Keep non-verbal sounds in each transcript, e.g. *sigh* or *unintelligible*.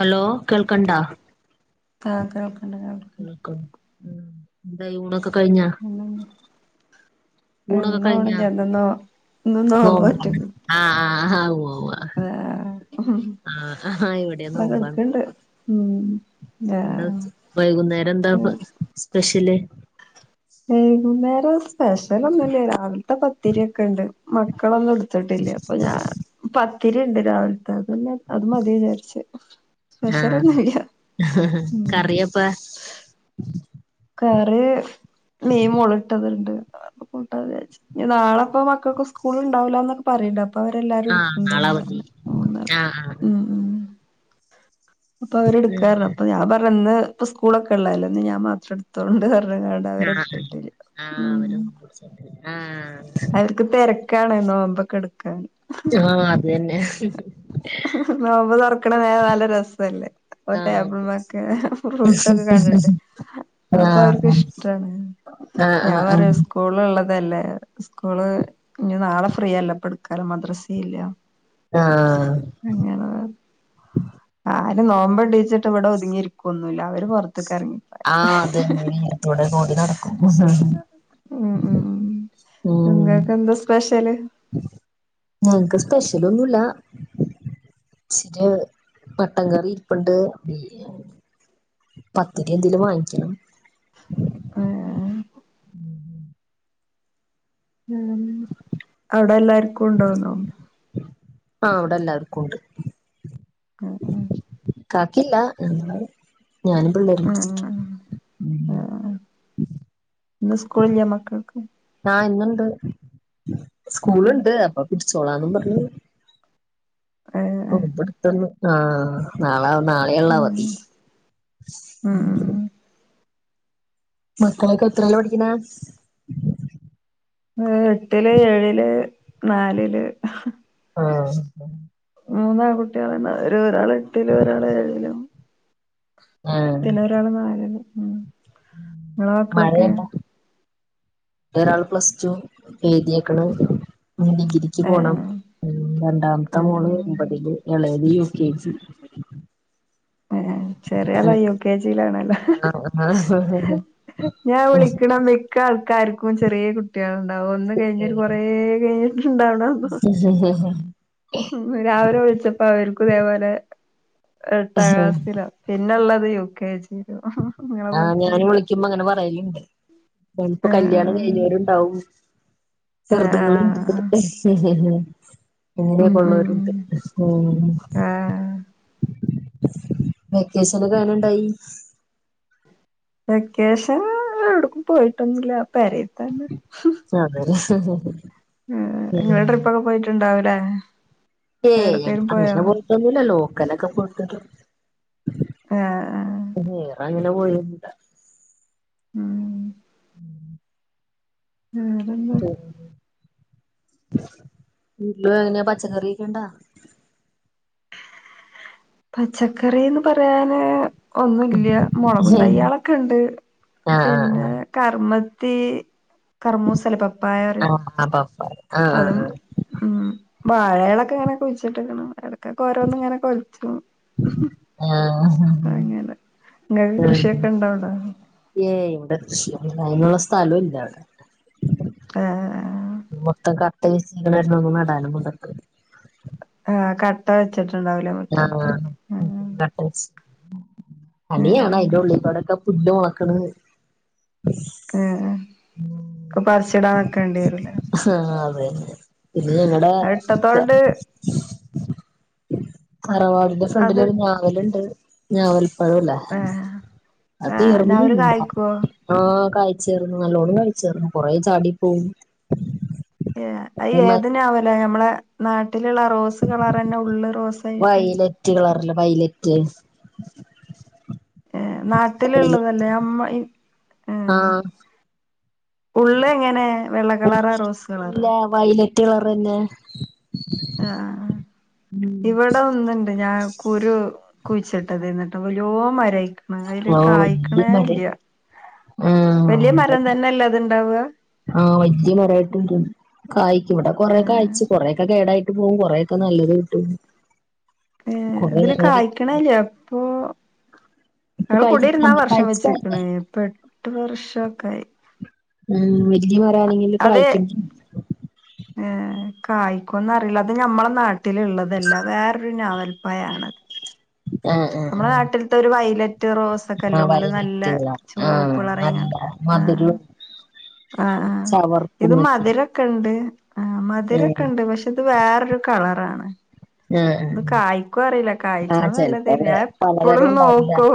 Hello കേൾക്കണ്ടാ ക്കാ കേൾക്ക്ണ്ട് കേൾ *unintelligible* എന്താ ഇവിടെക്ക *unintelligible* ഊണൊക്കെ ഇന്ന് കഴിഞ്ഞാ നോമ്പാണ് നോമ്പോറ്റ്ക്ക്ണ് ആഹ് ആഹ് *unintelligible* ആഹ് ആഹ് ഇവിടെയും അവടെ നോമ്പാണ് കെട്ക്ക്ണ്ട് ഉം എന്താ ആ വെച്ച് വൈകുന്നേര എന്താ സ്പെഷ്യല് വൈകുന്നേരം സ്പെഷലൊന്നുല്ല രാവിൽത്തെ പത്തിരി ഒക്കെണ്ട് മക്കളൊന്നും ഇടുത്തിട്ടില്ല അപ്പൊ ഞാൻ പത്തിരി ഇണ്ട് രാവിലത്തെ അതന്നെ അത് മതി വിചാരിച്ച് ആഹ് സ്പെഷ്യലൊന്നു ഇല്ല്യ ഉം കറിയപ്പ കറി മീൻ മോള്ട്ടത്ണ്ട് അപ്പൊ കൂട്ട വിചാരിച്ചു ഇഞ്ഞി നാളപ്പോ മക്കക്ക് സ്കൂള് ണ്ടാവൂ ലാന്നൊക്കെ പറിണ്ട് ഇപ്പൊ അവരെല്ലാരും ആഹ് നാളെ ഇട്ക്ക്ണ്ട്ന്ന് അവധി പർഞ്ഞ് ഓണർ ആഹ് ഉം ഇപ്പൊ അവര് ആഹ് എട്ക്കാർഞ് അപ്പ ഞാൻ പറഞ്ഞ് ഇന്ന് സ്കൂളൊക്കെ ഇള്ളേല്ലേ ഇന്ന് ഞാൻ മാത്രം തോണ്ട് അർഞ്ഞ്ങ്ങാണ്ട് അവരെ ആഹ് ആഹ് ഇട്ത്തിട്ടില്ല ആഹ് ഉം അവര് നോമ്പുടിച്ചിട്ട് ആഹ് ഇപ്പ തരക്കാണ് നോമ്പൊക്കെടുക്കാൻ ജാ അതന്നെ നോമ്പ് തൊറക്ക നേ നല്ല രസല്ലേ ഇപ്പൊ ആഹ് ടേബിൾമൊക്കെ ഫ്രൂട്ടൊക്കെ കണ്ടിട്ട് ആഹ് അപ്പൊ ആഹ് അവർക്ക് ഇഷ്ടാണ് ആഹ് ഞാ ആഹ് പറിയ സ്‌ കൂള് ള്ളതല്ലേ സ്കൂള് ഇഞ്ഞു നാളെ ഫ്രീയല്ല ഇപ്പട്ക്കാനും മദ്രസ ഇല്ല ആഹ് അങ്ങനെ ആര് നോമ്പണ്ടീച്ചിട്ട് ഇവിടെ ഒതുങ്ങിയിരിക്കൊന്നുല്ല അവര് പൊർ ത്ത്കറങ്ങി ആഹ് അതന്നെ *unintelligible* ഉം നിങ്ങക്കെന്താ സ്പെഷ്യല് ഞങ്ങക്ക് സ്പെഷ്യലൊന്നുല്ല ഇച്ചിര് മട്ട കറി ഇരിപ്പ്ണ്ട് പത്തിരി എന്തേലും വാങ്ങിക്കണം ഏഹ് ഉം ഉം അവിടെ എല്ലാർക്കുണ്ടോ ന്നോമ്പ് ആഹ് വടെ എല്ലാവർക്കുണ്ട് ഓഹ് ഓഹ് ഇക്കാക്കില്ല ഞാനും പിള്ളേരും പിടിച്ചിട്ട് ആഹ് ഇന്ന് സ്കൂളില്ലേ മക്കൾക്ക് ആഹ് ഇന്ന്ണ്ട് സ്കൂള്ണ്ട് അപ്പൊ പിടിച്ചോളാന്നും പറഞ്ഞ് ഏഹ് ഇബട്ത്തന്ന് ആ നാളാവു നാളെയാള്ളെ അവധി മക്കളൊക്കെ എത്രേലാ പഠിക്ക് ണേ ഏ എട്ടില് ഏഴില് നാലില് ആഹ് മൂന്നാകുട്ട്യാളന്നെ ഒര് ഒരു ഒരാള് എട്ടിലും ഒരാള് ഏഴിലും പിന്നൊ ഒരാള് നാലില് ഉം നിങ്ങളെ മക്കളൊക്കെ മഴയിണ്ടോ ഒരാൾ പ്ലസ് ടു എഴുതിയേക്കണ് ഡിഗ്രി. ഏ, പോണം ഉം ഏ, രണ്ടാമത്തെ മോള് ഏ, ഒമ്പതില് ഇളയത് യു കെ ജി. ഏഹ് ചെറിയാള് യു കെ ജിയിലാണല്ലോ. ഞാൻ വിളിക്കണം. *unintelligible* ആൾക്കാർക്കും ചെറിയ കുട്ടികളുണ്ടാവും ഒന്ന് കഴിഞ്ഞിട്ട് കുറേ കഴിഞ്ഞിട്ടുണ്ടാവും. ഉ ഹ... രാവിലെ വിളിച്ചപ്പോ അവർക്കും ഇതേപോലെ എട്ടാ ക്ലാസിലൊ. പിന്നെ ഉള്ളത് യു കെ ജി. *unintelligible* ആഹ് ഞാൻ വിളിക്കുമ്പോ അങ്ങനെ പറയലുണ്ട് *unintelligible* കല്യാണം ആഹ് കഴിഞ്ഞവരുണ്ടാവും. ചെറുതുങ്ങളുണ്ട് ആഹ് *unintelligible* ഉം ഉം ഉം ഉള്ളവരുണ്ട് ഉം. ആഹ് വെക്കേഷനൊക്കെ എങ്ങനെ ഉണ്ടായി? വെക്കേഷൻ എവിടേക്കും പോയിട്ടൊന്നും ഇല്ല പെരേത്തന്നെ. അതെ അതെ ആഹ് നിങ്ങള് ട്രിപ്പൊക്കെ പോയിട്ടുണ്ടാവുല്ലേ *unintelligible* ആഹ് *unintelligible* ആഹ് *unintelligible* ഉം.. ഉം... *unintelligible* വീട്ടിലും എങ്ങനെയ പച്ചക്കറിയൊക്കെ ഉണ്ടാ..? പച്ചക്കറീന്ന് പറയാന്. ഒന്നും ഇല്ല മുളകും തയ്യാളൊക്കെ ഉണ്ട് ആഹ് പിന്നെ. ആഹ് കർമ്മത്തെ കർമ്മവും *unintelligible* *unintelligible* ആഹ് ആഹ് ആഹ് ഉം വാഴകളൊക്കെ അങ്ങനെ കുഴിച്ചിട്ടേക്കണ് ഇടക്കൊക്കെ ഓരോ.. ഒന്ന് ഇങ്ങനെ കൊലച്ചു ആഹ് അങ്ങനെ. നിങ്ങൾക്ക് ആഹ് കൃഷിയൊക്കെ ഉണ്ടോ അവിടെ ഏയ് ഇവിടെ കൃഷി അതിന്നുള്ള സ്ഥലം ഇല്ല അവിടെ. ആഹ് മൊത്തം *unintelligible* നടാനും *unintelligible* ആഹ് കട്ട വെച്ചിട്ട് ഉണ്ടാവൂലേ മുറ്റത്ത് ആഹ് ആഹ്. *unintelligible* പണിയാണ് ഉം അതിന്റെ ഉള്ളിൽക്കോടൊക്കെ പുല്ല്മുളക്കണ് ആഹ് ആഹ് *unintelligible* പറിച്ചടാനൊക്കെ വേണ്ടി വരൂല്ലോ. ആഹ് അതന്നെ പിന്നെ ഞങ്ങടെ. അത് ഇട്ടത്തോണ്ട് തറവാടിന്റെ അത് ഫ്രണ്ടിലൊരു ഞാവൽ ഉണ്ട് ഞാവൽ. പഴവില്ലേ ഏഹ് അത് ആഹ് തീർന്ന് നവല് *unintelligible* കായ്ക്കോ ആഹ് കാഴ്ചയാണ്. നല്ലോണം കായ്ചാരുന്ന് കുറേ ചാടി പോവും. ഏഹ് അത് കൊറേ മ ഏതിന വില ഞമ്മളെ നാട്ടിലുള്ള റോസ് കളർ തന്നെ ഉള്ള് റോസ് വയലറ്റ് കളറിലെ വയലറ്റ്. ഏഹ് നാട്ടിലുള്ളതല്ലേ *unintelligible* ആഹ് ഉള്ള് എങ്ങനെ വെള്ള കളറാ റോസ് കളറാ? വയലറ്റ് കളർതന്നെ. ആഹ് ആഹ് ഇവിടെ ഒന്നിണ്ട് ഞാൻ കുരു കുഴിച്ചിട്ട് തന്നിട്ട് വലിയോ മരായി അതില് ആഹ് വല്യ കായ്ക്കണേ മരം ഇല്ല ആഹ് വല്യ മരം തന്നെല്ല അത്ണ്ടാവ ആഹ് വല്യ മരമായിട്ട് വരും കായ്ക്കും ഇവിടെ കൊറേക്കെ ഏഹ് കായ്ച്ചു കൊറേക്കെ കേടായിട്ട് പോകും കൊറേക്കെ നല്ലത് കിട്ടും ഏഹ് കൊറേ ഇതില് *unintelligible* കായ്ക്കണില്ല അപ്പൊ ഇപ്പൊ ഞങ്ങള് കായ്ക്കുന്ന കുടിര്ന്നാ കണ്ട് വർഷം കായ്ച്ച് കഴിഞ്ഞ് വെച്ച്ക്ക്‌ണ് പ്പെ എട്ട് വർഷൊക്കായി ഉം വല്യ മരാണെങ്കില് കായ്ക്കും ഏ കായ്ക്കോന്നറീല്ല അത് ഞമ്മളെ നാട്ടില്ള്ളതല്ല വേറൊരു ഞാവൽപ്പയാണ്ത് ആഹ് ആഹ് നമ്മടെ ആഹ് നാട്ടിൽത്തെ ഒരു വൈലറ്റ് റോസ് ക്കല്ല ആഹ് ഉള്ള് നല്ല വൈലറ്റ് കളർ ആഹ് ചോപ്പ്കളറായാണ്ട് നല്ല ആഹ് മധുരോം ആഹ് ആഹ് ഇത് ചവർപ്പുമൊക്കെ മധുര ക്കെണ്ട് ആഹ് ഉം മധുരൊക്കെണ്ട് പക്ഷെ ഇത് വേറൊരു കളറാണ് ആഹ് ആഹ് ഇത് കായ്ക്കോ അറീല്ല കായ്ച ആഹ് നല്ലത് ചെലപ്പോ ഞാൻ എപ്പളും പലതരം ഉണ്ടാവില്ല നോക്കും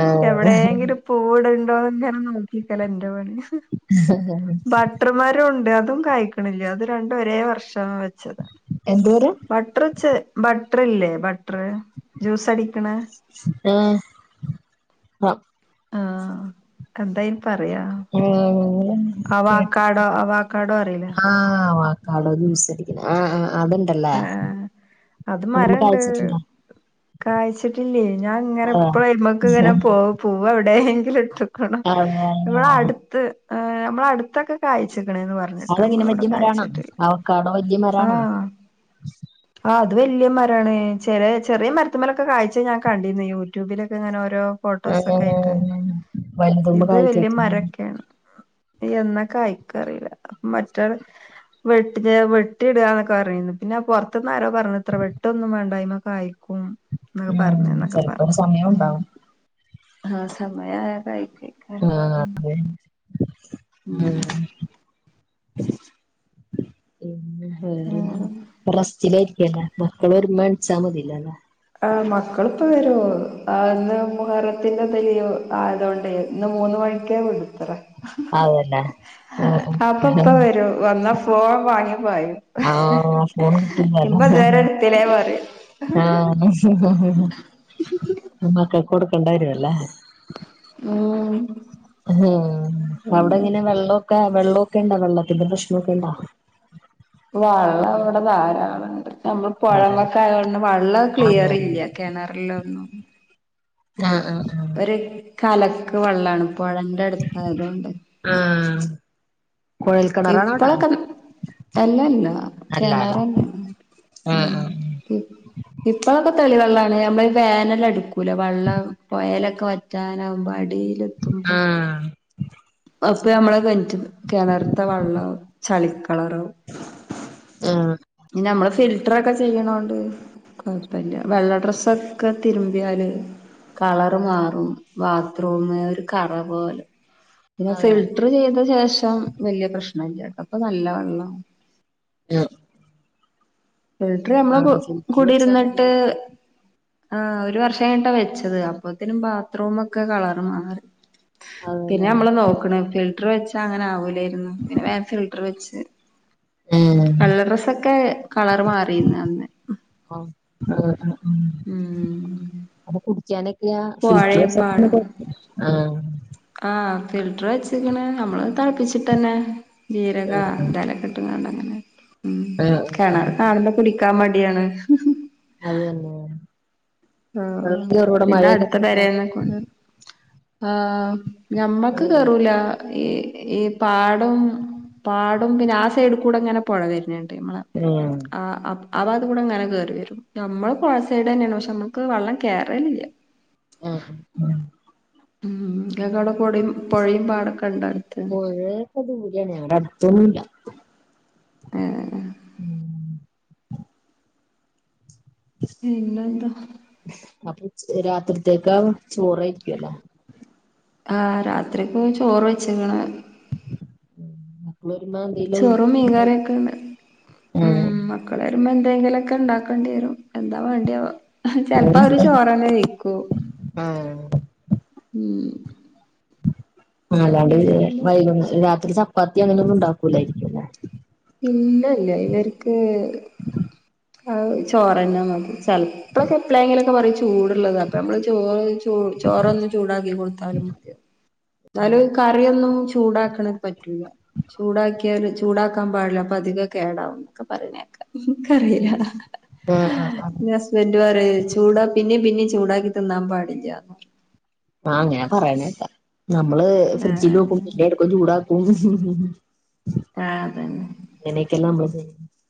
ആഹ് എവ്ടേങ്കിലും പൂവിടണ്ടോന്ന്ങ്ങനെ നോക്കിക്കലാ എന്റെപണി ട്ട്ർ മരുണ്ട് അതും കായ്ക്ക്‌ണില്ല അത് രണ്ടും ഒരേ വർഷ വെച്ചത് എന്തു മരം ബട്ട്ർച്ച് ബട്ട്ർല്ലേ ബട്ട്ർ ജ്യൂസടിക്ക്‌ണേ ആഹ് ആഹ് എന്തയ്ന് പറയാ ഓ അവക് അവാക്കാടോ അവാക്കാടോ അറിയില്ലേ ആഹ് ക്കാഡോ ജ്യൂസടിക്ക്‌ണെ ആഹ് ആഹ് അത്ണ്ടല്ലേ ആ അതിമ്മെ കായ്ച്ച്ട്ട്ണ്ടോ കായ്ച്ച്ട്ട്ല്ലേയ് ഞാൻങ്ങനെ ഇപ്പളു അയ്മ്മക്ക്‌ങ്ങനെ ആഹ് പോവും പൂവ് എവ്ടേങ്കിലുട്ട് ക്കണോ ഇവടെ അടുത്ത് അമ്മളട്ത്തൊക്കെ കായ്ച്ച്ക്ണ്ന്ന് പർഞ്ഞിട്ടാ അതെങ്ങനെ അമ്മളെവടെ വല്യ മരാണോ കായ്ച്ച്ട്ടില്ല അവക്കാടോ വല്യ മരാണോ ആഹ് ആഹ് അത് വല്യ മരാണ് ചെലെ ചെറ്യേ മരത്ത്മ്മലൊക്കെ കായ്ച ഞാൻ കണ്ടിന്ന് യൂട്യൂബിലൊക്കെങ്ങനെ ഓരോ ഫോട്ടോസൊക്കെ ആഹ് ആയിട്ട് വലുതുമ്മെ ഇത് വല്യ കായ്ക്കാത്ത മരെക്കേണ് എന്നാ കായ്ക്കാറീല്ല മറ്റോല് വെട്ടി വെട്ടിടാന്നൊക്കെറീനു പിന്നെ പൊർത്ത്ന്നാരോ പറഞ്ഞുത്രേ വെട്ടൊന്നും വേണ്ടാ അയ്മ്മെ കായ്ക്കും ന്നൊക്കെ ഉം പർഞ്ഞ്ന്നൊക്കെ ചെലപ്പോ ഒരു സമയം പർഞ്ഞ് ഉണ്ടാവും ആഹ് സമയായാ കായ്ക്കും ആഹ് അതെ ഉം പിന്നെ വേറെന്താ ഉം റസ്റ്റിലായിരിക്കു അല്ലേ മക്കള് വരുമ്പൊ എണിച്ചാമതീലോല്ലേ ആഹ് മക്കള്പ്പൊ വരും അന്ന് മുഹറത്തിന്റെക്കെ ലീവ് ആയതോണ്ടെ ഇന്ന് മൂന്ന് മണിക്കെ വിടുത്രെ ആവുല്ലേ അപ്പൊപ്പ വരും വന്നാ ഫോൺ വാങ്ങി പായും ആഹ് ഫോൺ കിട്ടുന്നല്ലോ ഇമ്മ ഇതെരെ എടുത്തിലെ പറിം ആഹ് മക്കക്ക്ക്കൊടുക്കെണ്ടി വരുല്ലേ ഉം ഉം. പിന്നെ അവ്ടെങ്ങനെ വെള്ളൊക്കെ വെള്ളൊക്കെണ്ടാ വെള്ളത്തിന്റെ പ്രശ്നൊക്കെണ്ടോ വള്ളവടെ ധാരാളണ്ട് നമ്മള് അതെ പൊഴവക്കായോണ്ട് വള്ളം അതെ ക്ലിയറില്ല കെണറിലൊന്നും ആഹ് ആഹ് ആഹ് ര് കലക്ക് വെള്ളാണ്. പൊഴന്റെട്ത്തായതോണ്ട്. ആഹ്, കൊഴൽക്കെണറാണൊടെ? ഇപ്പളൊക്കെ അല്ലല്ല. കെണറെന്നെ. ആഹ് ആഹ് ഇപ്പളൊക്കെ തെളിവെള്ളാണ്. അമ്മളീ വേനലട്ക്കൂലേ വള്ളം പൊയെലൊക്കെ വറ്റി റ്റാനാവുമ്പൊ അടീലെത്തുമ്പോ. അപ്പൊ അമ്മളെ കേനറ്റ്ത്തെ കെണറ്ത്തെ വള്ളം ചളിക്കളറാവും. ആഹ്. ഞമ്മള് ഫിൽട്ട്റൊക്കെ ചെയ്യ്ണോ ഉം കൊയ്പ്പല്ല. വെള്ള ഡ്രസ്സൊക്കെ തിര്മ്പിയാല് കളർ മാറും ബാത്റൂമ് ഒരു കറ പോലെ പിന്നെ അതെ ഫിൽ ട്ടർ ചെയ്ത ശേഷം വലിയ പ്രശ്നല്ലട്ടോ പ്പൊ നല്ല വള്ളം ആ ഫിൽട്ടർ നമ്മള് ഫിൽറ്റർ വെച്ചാ കൂടിരുന്നിട്ട് നല്ലത് ആഹ് ഒരു വർഷം കഴിഞ്ഞിട്ടാ വെച്ചത് അപ്പത്തിനും ബാത്റൂമൊക്കെ കളർ മാറി പിന്നെ അതല്ലേ നമ്മള് നോക്ക്ണ് ഫിൽട്ടർ വെച്ചാ അങ്ങനെ ആവൂലായിരുന്നു പിന്നെ വേം ഫിൽട്ടർ വെച്ച് ഉം വെള്ള ഡ്രസ്സൊക്കെ കളർ മാറിന്ന് അന്ന് ആ ആ ഉം *unintelligible* ഉം അപ്പ കുടിക്കാനൊക്കെയാ ഫിൽട്ടർ പൊഴേം വെച്ച് പാടോം *unintelligible* ആ ആഹ് ഫിൽട്ടർ വെച്ച്ക്കണ് നമ്മള് തളപ്പിച്ചിട്ടെന്നെ ജീരക അത് ങ്ങനീ മം തന്നെ കെണറ് കാണുമ്പം കുടിക്കാൻ മടിയാണ് അത്തന്നെ ലെ ആഹ് ആഹ് പിന്നെ അടുത്ത പെയ്താ പെരേന്ന് ആഹ് ഞമ്മക്ക് വെള്ളം കേറും കേറൂല ഈ ഈ പാടും പാടും പിന്നെ ആ സൈഡുകൂടെങ്ങനെ പുഴ വരുന്നുണ്ട് ഞമ്മളെ ഉം ആ അപ്പ ആഭാഗത്തുകൂടെങ്ങനെ കയറി വരും നമ്മളും പുഴ സൈഡന്നെയാണ് പക്ഷെ നമ്മുക്ക് വെള്ളം കേറലില്ല ഉം ഉം ഉം ങ്ങക്കവിടെ പൊടിം പൊഴിം പാടൊക്കെണ്ട അടുത്ത് ഓക്കെ ദൂരെയാണ് ഞങ്ങടെ അടുത്തൊന്നുല്ല ഏഹ് പിന്നെന്താ അപ്പൊ ഉച് രാത്രിത്തേക്കാ ചോറായിരിക്കുല്ലോ ആഹ് രാത്രിക്ക് ചോറ് വെച്ക്ക്ണ് *unintelligible* ചോറും മീങ്കറിയൊക്കെണ്ട് മം മക്കൾ വരുമ്പോ എന്തെങ്കിലൊക്കെണ്ടാക്കേണ്ടിരും എന്താ വേണ്ടിയേ ആവോ ചെലപ്പോ അവര് ചോറെന്നെ വൈക്കും ആഹ് ഉം ആഹ് അല്ലാണ്ട് വേറെന്താ വൈകു രാത്രി ചപ്പാത്തി അങ്ങനെന്നുംണ്ടാക്കൂലെ ഇല്ലല്ല ഇവർക്ക് അത് ചോറന്നെ മതി ചെലപ്പോക്കെപ്ലേങ്കിലൊക്കെ പറയും ചൂട് ഉള്ളത് അപ്പൊ നമ്മള് ചോറ് ചൂ ചോറൊന്ന് ചൂടാക്കി കൊടുത്താലും മതി ന്നാലും കറിയൊന്നും ചൂടാക്ക്‌ണ പറ്റൂല ചൂടാക്കിയാലും ചൂടാക്കാൻ പാടില്ല അപ്പൊ അതികം കേടാവും ന്നൊക്കെ പറിണേക്കാ ൻക്കറീല ആഹ് ആഹ് ആഹ് ഞാൻ *unintelligible* ചൂടാ പിന്നിം പിന്നിം ചൂടാക്കി തിന്നാം പാടില്ല്യാന്ന് ആ അങ്ങനെ പറയ്‌ണേക്ക നമ്മള് ഫ്രിഡ്ജില് ആഹ് വെക്കും പിന്നി ഇട് ക്കും ചൂടാക്കും ആ അതന്നെ ഇങ്ങനെയെക്കെല്ലാ നമ്മള്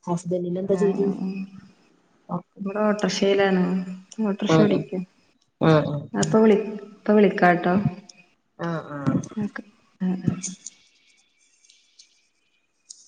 ഹസ്ബൻഡിന് എന്താ ജോലി ആഹ് റിശ്ശേലാണ് ഓട്ടോർഷ ആഹ് ഓടിക്ക ആഹ് ആഹ് അപ്പ വിളി ഇപ്പ വിളിക്കാട്ടോ ആഹ് ആഹ് *unintelligible*